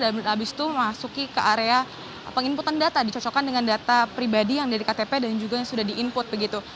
dan abis itu memasuki ke area penginputan data dicocokkan dengan data pribadi yang dari ktp dan juga yang sudah di input begitu